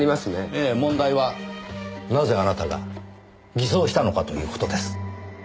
ええ問題はなぜあなたが偽装したのかという事です。